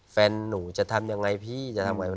แฟนหนูจะทำยังไงพี่จะทำไง